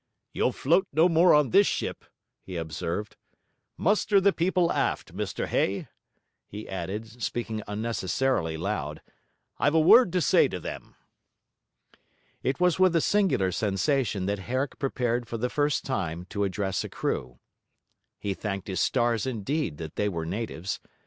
'You'll float no more on this ship,' he observed. 'Muster the people aft, Mr Hay,' he added, speaking unnecessarily loud, 'I've a word to say to them.' It was with a singular sensation that Herrick prepared for the first time to address a crew. He thanked his stars indeed, that they were natives.